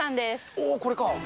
おー、これか。